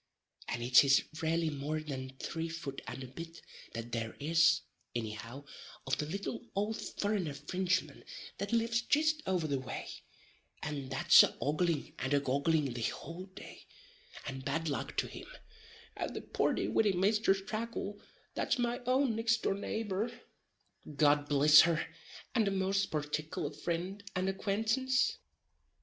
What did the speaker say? And it is ralelly more than three fut and a bit that there is, inny how, of the little ould furrener Frinchman that lives jist over the way, and that's a oggling and a goggling the houl day, (and bad luck to him,) at the purty widdy Misthress Tracle that's my own nixt door neighbor, (God bliss her!) and a most particuller frind and acquaintance?